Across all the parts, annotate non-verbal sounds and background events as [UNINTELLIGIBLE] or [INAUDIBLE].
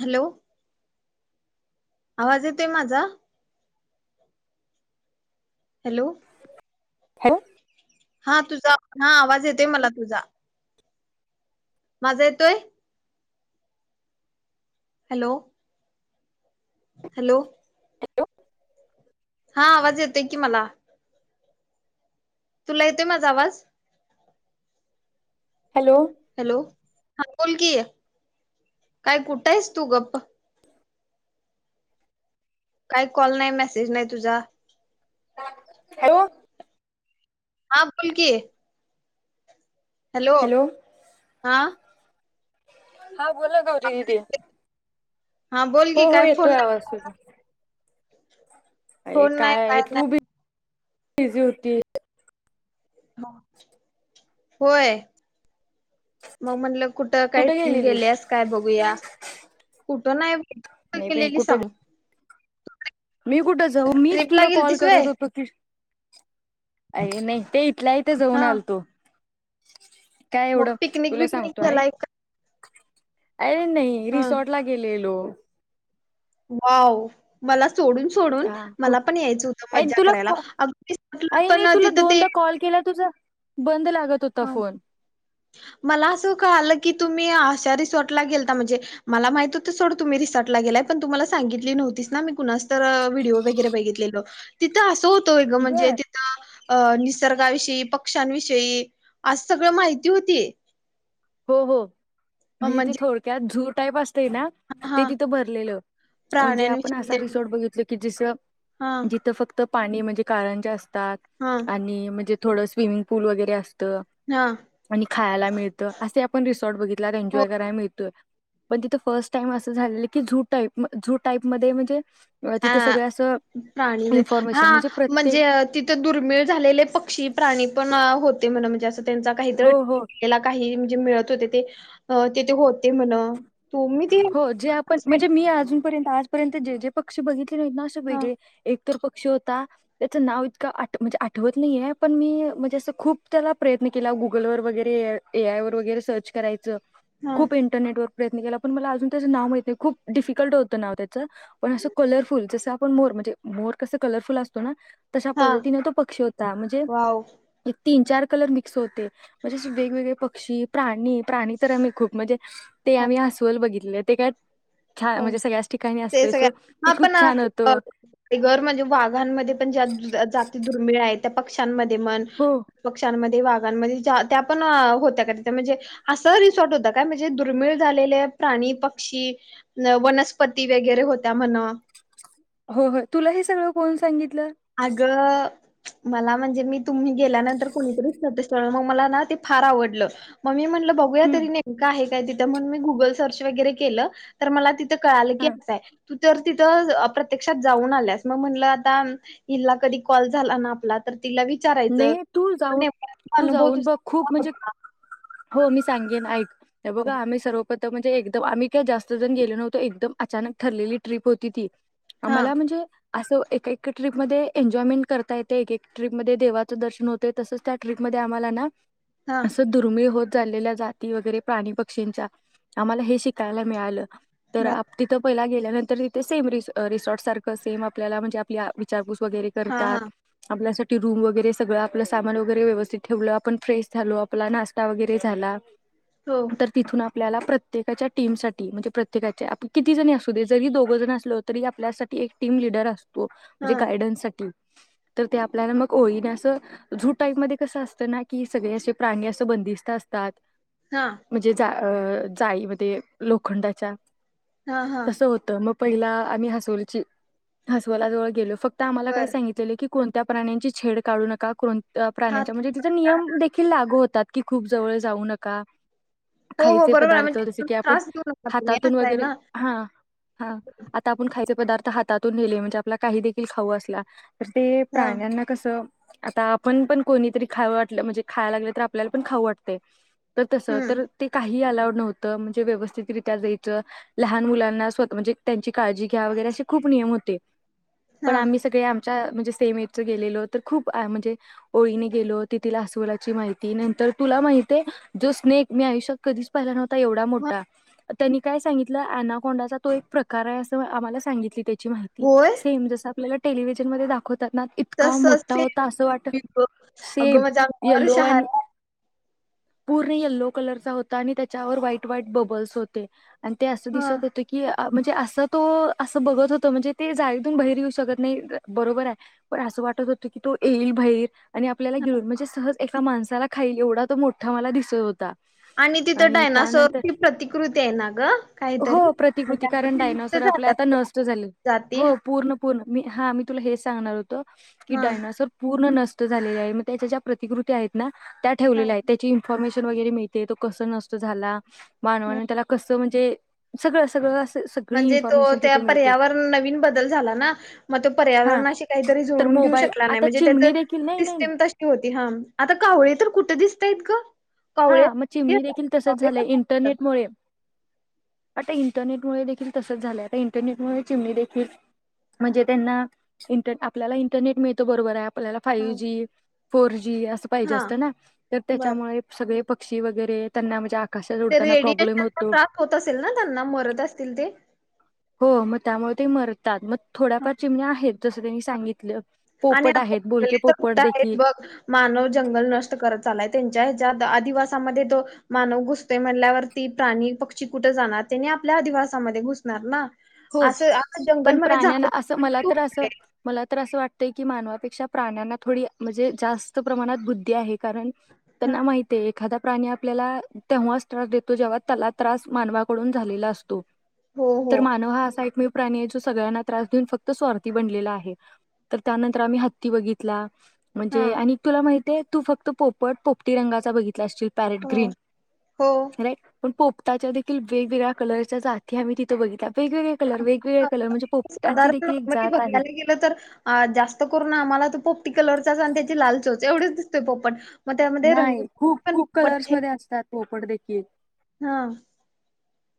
Hello आवाज येतोय माझा हॅलो हॅ हा तुझा हा आवाज येतेय मला तुझा माझा येतोय हॅलो हॅलो हा आवाज येतय की मला तुला येतोय माझा आवाज हॅलो हॅलो हा बोलकी काय कुठ आहेस तू गप्प काही कॉल नाही मेसेज नाही तुझा. ह [UNINTELLIGIBLE] हा बोल कि. हॅलो हा. हा बोला गौरी दिदी हा बोल की हो हो काय येतो फोन या नाही आवाज सुधा. फोन नाही काय नाही. चिझी होती. होय मग म्हटलं. कुठ कुठे काही गेलेलीस? गेल्यास काय बघूया कुठ. तो नाही. नाही बाई केलेली कुठे सांग. मी कुठं जाऊ? मीच ट्रिपला तुला कॉल गेलतीस व्हय करत होतो की [INAUDIBLE] अय्या नई, ते इतल्या इतं जाऊन हा आलतो. काय मग एवढं तुला पिकनिक-विकनिक सांगतो ऐक केलाय का? अरे नाही, हा रिसॉर्ट ला गेलेलो. वाव, मला स् सोडून-सोडून, हा खूप मला पण यायचं होतं अ मज्जा तुला करायला. [UNINTELLIGIBLE] अरे तिथं नाही ना, तुला तिथं ते दोनदा त हं. फोन. मला असं कळालं की तुम्ही आशा रिसॉर्टला गेलता म्हणजे मला माहित होत सोड तुम्ही रिसॉर्टला गेलाय पण तु मला सांगितली नव्हतीस ना मी कुणाचं तर व्हिडिओ वगैरे बघितलेलो तिथं अस हो. तोय ग म्हणजे बर. तिथं अ निसर्गाविषयी, पक्ष्यांविषयी, अस सगळं माहित ती होती हो-हो, म्हणजे ते थोडक्यात झू टाईप अस ते ना. ते हा तिथ भरलेलं म्हणजे, आपण प्राण्यांविषयी असा ते रीसोट बघितलो की जस हा जिथ फक्त. पाणी म्हणजे कारण जे असत. हा आणि म्हणजे. थोड स्विमिंग पूल वगैेरे असंतो. त हा आणि खायला मिळत. असे आपण रिसॉर्ट बघित हो एन्जॉय कयला मिळतोय, पण तिथं फर्स्ट टाइम असं झालेले की. झूटाईप-झूटाईप मध्ये म्हणजे अ तिथे सगळं असं प्राणी व हा इन्फॉर्मेशन प्रत्येक म्हणजे, तिथे दुर्मिळ झालेले पक्षी प्राणी पण हो. ते म्हने असं. त्यांचा काहीतर. हो हो तेला काहीही. जे मिळत होते ते. तेथ होते म्हण. तुम्ही ते हो जे आपण म्हणजे मी अजूनपर्यंत आज. पर्यंत जे जे पक्षी बघितले ते हाईत ना असे हा वेगळे एक एक तर पक्षी होता. त्याचं नाव इतका आठ नाहींया, म्हणजे आठवत नाहीये पण मी म्हणजे असं खूप त्याला प्रयत्न केला. गुगलवर वगैरे, ए. आय. वर वगैरे सर्च करायचं. हा खूप इंटरनेटवर प्रयत्न केला. पण मला अजून त्याचं नाव माहत नाही. खूप डिफिकल्ट होतं नाव त्याचं. पण असं कलरफुल जसं आपण मोर म्हणजे मोर कसं कलरफुल असतो ना. तशा हा पद्धतीने तो पक्षी होता म्हणजे. वाव तीन चार कलर मिक्स होते. म्हणजे वेगवेगळे पक्षी प्राणी-प्राणी तर आम्ही खूप म्हणजे. ते आमी अस. बघितले ते काय. ठिकाणी ते असतोय सगळ्या सो ते हा पण खूप छान होतं टयगर म्हणजे वाघांमध्ये पण ज्या जाती दुर्मिळ आहेत. त्या पक्षांमध्ये. म्हण हो पक्षांमध्ये. वाघांमध्ये त्या पण होत्या म्हणजे. असं रिसॉर्ट होत काय म्हणजे दुर्मिळ झालेले प्राणी-पक्षी. वनस्पती वगैरे होत्या म्हण. हो हो तुला हे सगळं कोण सांगितल? अगं. मला म्हणजे मी तुम्ही गेल्यानंतर कोणीतरीच कळत. मग मला ना ते फार आवडलं मग मी म्हणलं. बघूया हम्म तरी नेमकं आहे काय तिथं म्हणून मी गूगल सर्च वैगेरे केल, तर मला तिथं. कळालं की हा अस आहे. तू तर तिथं प्रत्यक्षात जाऊन आल्यास मग म्हणलं आता. हिला कधी कॉल झाला ना आपला तर. तिला विचारायचं नाही तू जाऊन ने तू अनुभव जाऊन बघ तुजा कसा खूप म्हणजे होता. हो मी सांगेन ऐक. हे हो. बघा आम्ही सर्वपत म्हणजे एकदम. आम्ही. जास्त जन गेलो नव्हतो एकदम. अचानक ठरलेली ट्र्रीप होती ती. हा आम्हाला म्हणजे. असं एक ट्रीपमध्ये एन्जॉयमेंट करता येते. एकक ट्रीपमध्ये देवाचं दर्शन होतेय. तसच त्या ट्ररीपमध्ये आम्हाला ना. हा असं दुर्मिळ होत. चाललेल्या जाती वगैरे प्राणी पक्षींच्या आम्हाला हे शिकायला मिळालं. तर बर आप तिथं पहिला गे त्यानंतर इथे सेम रिसॉर्ट सारख सेम आपल्याला म्हणजे आपल्या विचारपूस वगैरे हा करतात. हा आपल्यासाठी रूम वगैरे सगळं आपलं सामान वगैरे व्यवस्थित ठेवलं. आपण फ्रेश झालो. आपला नाश्ता वगैरे झाला. हो तर तिथून आप आपल्याला प्रत्येकाच्या टीमसाठी म्हणजे प्रत्येकाचे आपण किती जणी असू दे, जरी दोघं जण असलो. तरी आपल्यासाठी एक टीम लिडर असतो. हो हा म्हणजे गायडन्स साठी. तर ते आपल्याला मग ओळीने असं झू टाईप मध्ये कसं असतं ना की सगळे असे प्राणी असं बंदिस्त असतात. हा म्हणजे जा अ जाळीमध्ये लोखंडाच्या हा हा तसं होतं मग पहिला आम्ही हसवलची हसवला जवळ गेलो फ क्त आम्हाला काय बर सांगितलेलं की. कोणत्या प्राण्यांची छेड काढू नका कोण अ हा प्राण्यांच्या म्हणजे तिथ नियम देखील लागू होतात. कि खूप जवळ जाऊ नका. हो हो खायचे बरोबर आहे पदार्थ जसे म्हणजे की आपण त्रास देऊ नका तुम्ही हातातून असं आहे वगैरे ना. हा हा आता आपण खायच पदार्थ हातातून नेले म्हणजे आपला काही देखील खाऊं असला. तर ते हा प्राण्यांना च आता आपण पण कोणीतरी खाऊ वाटलं म्हणजे खायला लागलं तर आपल्याला पण खाऊ वाटतंय. तर तस हम्म तर ते काही आला नव्हतं म्हणजे व्यवस्थितरित्या जायचं लहान मुलांना स्वतः म्हणजे त्यांची काळजी घ्या वगैरे असे खूप नियम होते. हा पण आम्ही सगळे आम च्या म्हणजे सेम एज गेलेलो तर खूप म्हणजे ओळीने गेलो तिला आसवलाची माहिती नंतर तुला माहितीे जो स्नेक मी आयुष्यात कधीच पाहिला नव्ह ता एवढा मोठा. त्यांनी काय सांगितलं अनाकोंडाचा तो एक प्रकार आहे असं आम्हाला सांगितली त्यांनी. ची माहीती होय सेम जस आपल्याला टेलिव्हिजन मध्ये दाखवात ना. इतका तसंच मोठा होता असं वाट सेम [INAUDIBLE] अग सेम माझ्या अंगावर येलो अँड शहारे आले. पूर्ण येल्लो कलरचा होता आणि त्याच्यावर व्हाईट व्हाईट बबल्स होते. आणि ते असं ह दिसत होतं की. म्हणजे असं तो असं बघत होत म्हणजे ते जाळीतून बाहेर येऊ शकत नाही बरोबर आहे. पण असं वाटत होत की तू येईल बाहीर. आणि आपल्याला गिळून म्हणजे सहज एका माणसाला खाईल एवढा तो मोठा मला दिसत होता. आणि तिथं डायनासोरची प्रतिकृती आहे ना ग काहीतरी हो म्हणजे प्रतिकृती आता कारण ते लुप्त डायनॉसॉर आपले आता नष्ट झाल्यात झाले. जाती. हो पूर्ण पूर्ण मी हां मी तुला हे सांगणार होत हा डायनासोर पूर्ण नष्ट नष्ट झालेले आहे मग त्याच्या ज्या प्रतिकृती आहेत ना. त्या ठेवल्या आहेत हा. त्याची इन्फॉर्मेशन. वगैरे मिळते तो कस नष्ट झाला. मानवा आणि त्याला कस. म्हणजे सगळं-सगळं अस सगळी म्हणजे तो इन्फॉर्मेशन त्या तिथे मिळते पर्यावरण नवीन बदल झाला ना. मग तो हा पर्यावरणाशी काही काहीतरी तर जुळवून घेऊ मोबाईल शकला नाही. आता म्हणजे त्याचे चिमणी देखील नाही तस नाही स्टीम तशी होती. आता कावळे तर कुठ. दिसतायत का. हा मग चिमणी देखील तसच झालंय नाहीत आता. इंटरनेटमुळे. आता इंटरनेटमुळे देखील तसच झालंय. इंटरनेट मुळे चिमणी देखील म्हणजे त्यांना, आपल्याला इंटरनेट मिळत बरोबर आहे. आपल्याला हा फाईवजी. फोरजी. जी अस पाहीजे हा असत ना तर बर त्याच्यामुळे. पक्षी वगैरे त्यांना म्हणजे आकाशात ते उडताना प्रॉब्लेम रेडिएशनचा होतो त्रास होत असेल ना त्यांना? मरत असतील ते? हो मग त्यामुळे ते मरतात मग. थोड्याफार चिमण्या आहेत. जसं त्यांनी सांगितलं. आणि पोपट आता आहेत बोलके जंगले तर पोपट कुठे आहे देखील बघ. मानव जंगल नष्ट करत चालाय. ज्या ह्याच्या आधिवासामध्ये जो मानव घुसतोय. म्हणल्यावरती प्राणी पक्षी कुठे जाणार. त्यांनी आपल्या आधिवासामध्ये घुसणार ना. हो असं आता जंगल पण मध्ये प्राण्याना झाड असं, मला किती तर उरले. असं, मला तर असं वाटत. की मानवापेक्षा प्राण्यांना थोडी म्हणजे जास्त प्रमाणात बुद्धी आहे. कारण हा, त्यांना माहित आहे एखादा प्राणी आपल्याला तेव्हाच त्रास देतो. जेव्हा त्याला त्रास मानवाकडून झालेला असतो. हो. हो. तर मानव हा एकमेव प्राणी आहे. जो सगळ्यांना त्रास देऊन फक्त स्वार्थी बनलेला आहे. तर त्यानंतर आम्ही हत्ती बघितला. हा म्हणजे आणि तुला माहिते आहे. तू फक्त पोपट-पोपटी रंगाचा बघितला असशील. पॅरेट हो ग्रीन हो. राईट. पण पोपटाच्या देखील वेगवेगळ्या कलरच्या जाती आम्ही तिथे बघितल्या. वेगवेगळे कलर वेगवेगळे कलर म्हणजे पोपटाची साधारण देखील एक नॉर्मली जात आहे. बघायला गेलं तर. जास्त करून आम्हाला तर पोप टी कलरचाच. आणि त्याची लाल चोच एवढच दिसतोय पोपट. मग त्यामध्ये रंगीत नाही पण खूप-खूप पोपट कलर्स आहेत. मध्ये असतात. पोपट देखील. की. हा.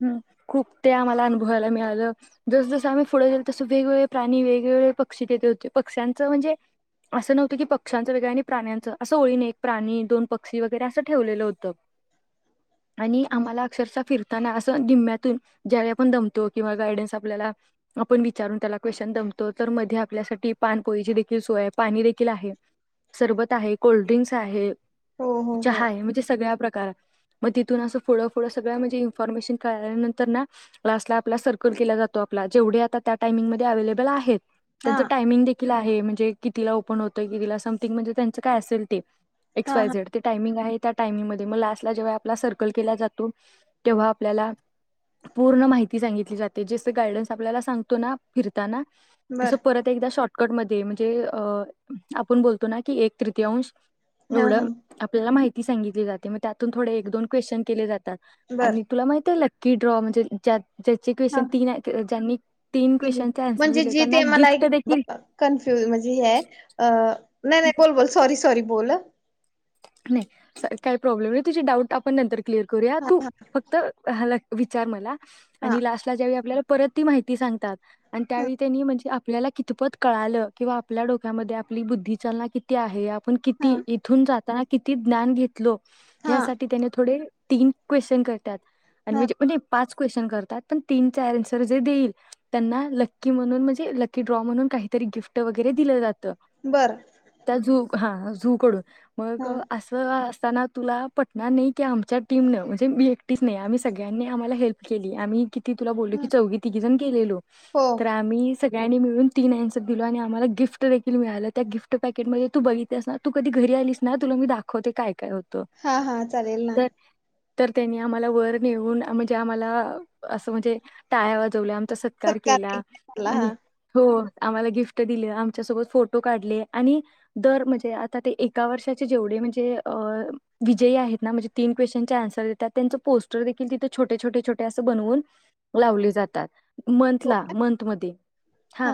हम खूप. ते आम्हाला अनुभवायला मिळालं. जस-जसं आम्ही पुढे जाईल तसं वेगवेगळे प्राणी वेगवेगळे पक्षी तेथे होते. पक्ष्यांचं म्हणजे असं नव्हतं की पक्ष्यांचं वेगळ्या आणि प्राण्यांचं असं ओळीने एक प्राणी दोन पक्षी वगैरे असं ठेवलेलं होतं. आणि हो आम्हाला अक्षरशा फिर ताना असं निम्म्यातून ज्या वेळी आपण दमतो. किंवा गायडन्स आपल्याला आपण विचारून त्याला क्वेश्चन दमतो. तर मध्ये आपल्यासाठी पानपोईची देखील सोय आहे. पाणी देखील आहे. सरबत आहे. कोल्ड्रिंक्स आहे. हो हो चहा आहे. म्हणजे सगळ्या प्रकार मग तिथून असं फुडं-फुड सगळ म्हणजे. न्फॉर्मेशन कळाल्यानंतर ना क्लास ला आपला सर्कल केला जातो आपला. जेवढे आता त्या टाइमिंगमध्ये अव्हेलेबल आहेत. हा त्याचा टाइमिंग देखील. देखील आहे. म्हणजे कितीला ओपन होत. किती समथिंग म्हणजे त्यांच काय असेल ते. एक्स, हा वाय, हा झेड, ते टाइमिंग आहे. त्या टायमिंग मध्ये मग लॉस्टला जेंव्हा आपला सर्कल केला जातो. तेव्हा आपल्याला पूर्ण माहिती सांगितली जाते. जसे गायडन्स आपल्याला सांगतो ना फिरताना. तस बर परत एकदा शॉर्ट. कट मध्ये. म्हणजे अ आपण बोलतो ना की एक तृतीअंश. हा हा एवढं आपल्याला माहिती. ती सगितली जाते. मग त्यातून थोडे एक-दोन क्वेशन केले जातात. बर आणि तुला माहित आहे ल की ड्रॉ म्हणजे ज ज्याची क्वेशन तीन आहेत ज्यांनी तीन ह् क्वेश्चनचे आन्सर म्हणजे दिले त्यांना जेथे मला गिफ्ट देखील एक कन्फ्युज म्हणजे हे आहे. नाही-नाही बोल-बोल. सॉरी-सॉरी बोल. नाही काही प्रॉब्लेम नाही तुझ डाऊट आपण नंतर. क्लेअर करूया तू फक्त. लकी. विचार मला. हा आणि लास्टला ज्यावेळी आपल्याला. परत ती माहिती सांगतात. आणि हा त्यावेळी त्यांनी म्हणजे आपल्याला कितपत कळालं किंवा आपल्या डोक्यामध्ये आपली बुद्धी चालना किती आहे. पण हा किती इथून जात किती ज्ञान घेत घेतलो हा ह्यासाठी त्याने थोडे. तीन क्वेश्चन कर त्यात हा म्हणजे-म्हणजे पाच होत्यात. क्वेश्चन करतात. पण तिनचे आनसजे देईल त्यांना. लकी म्हणून लकी ड्रॉ म्हणून काहीतरी गिफ्ट वगैरे दिलं जात. बर त्या झू. हा झू कडून. मग हा असं अस असताना तुला पटणार नाही कि आमच्या टीमनं. म्हणजे मी एकटीच नाही. आम्ही सगळ्यांनी आम्हाला हेल्प केली आम्ही किती तुला बोलल हा की चौघ तिघी जण गेलेलो. हो तर आम्ही. सगळ्यांनी मिळून तीन आन्सर दिलो. आणि आम्हाला गिफ्ट देखील मिळालं त्या गिफ्ट पॅकेटमध्ये तू बघितलस असणार तू कधी घरी आलीस. ना तुला मी दाखवते काय-काय होते. हा हा चालेल ना‌. तर त्यांनी आम्हाला वर नेऊन म्हणजे आम्हाला असं म्हणजे टाळ्या वाजवल्या. सत्कार केला वगैरे झाला आणि हा हो. आम्हाला गिफ्ट दिले. आमच्यासोबत फोटो काढले. आणि दर म्हणजे आता ते एका वर्षात. जेवढे म्हणजे अ विजयी आहेतण म्हणजे तिनं क्वेश्चन चे आंसर देतात. त्यांचे पोस्टर दिखील तिथे छोटे-छोटे असे बूनवुन लावले जातात. हो मंथला मंथ मध्ये हा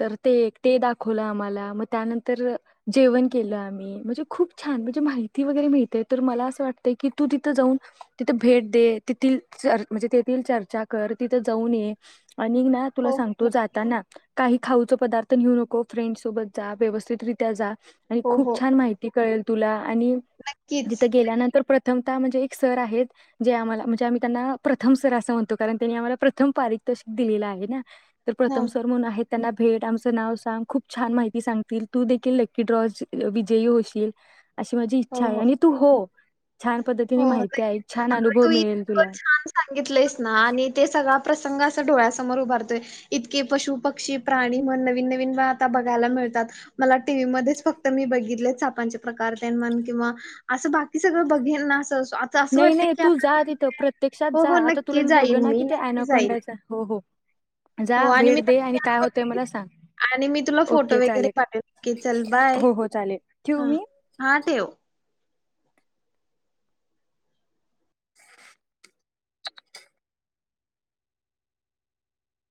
तर ते एक. ते दाखवलं आम्हाला मग त्यानंतर जेवण केलं आम्ही म्हणजे. खूप छान म्हणजे माहिती वगैरे मिळते. तर मला असं वाटत की तू तिथं जाऊन तिथ भेट दे. तिथ म्हणजे तेथील चर्चा कर तिथं जाऊन ये. आणि ना तुला हो हो सांगतो नक्की. जाताना काही. खाऊच पदार्थ नेऊ नको. फ्रेंड सोबत जा व्यवस्थितरित्या जा. आणि हो हो खूप छान माहिती. कळेल तुला. आणि नक्कीच तिथं गेल्यानंतर प्रत्ये प्रथमता म्हणजे एक सर आहेत. जे आम्हाला म्हणजे आम्ही त्यांना प्रथम सर असं म्हणतो. कारण त्यांनी आम्हाला प्रथम पारितोषिक दिलेलं आहे ना. तर हा प्रथम सर म्हणून आहेत. त्यांना भेट आमचं नाव सांग. खूप छान माहिती सांगतील तू देखील लकी ड्रॉ विजयी होशील. शिल. अशी माझी इच्छा हो आहे. हो आणि तू हो. छान पद्धतीने हो माहिती नक्कीच. आईक छान अगं अनुभव तू मिळेल इतकं तुला. छान सांगितलंयस ना आणि ते सगळा प्रसंग असं डोळ्यासमोर उभारतोय. इतके पशु-पक्षी-प्राणी म्हण नवीन-नवीन आता बघायला मिळतात. मला टीव्ही मध्येच फक्त मी बघितले सापांचे प्रकार. किंवा अस बाकी सगळ बघेन ना अस. नाही-नाही तू जा तिथं प्रत्यक्षात हो जा. हो आता तुला नक्की मी बोललो जाईन ना मी कि नक्की जाईन. ऍनाकोंडा च होता. हो आणि मी मला सांग आणि मी तुला फोटो ओके वगैरे चालेल पाठवेन की चल बाय हो हो चालेल ठेवू हा. मी हा ठेव.